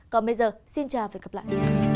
còn bây giờ xin chào và hẹn gặp lại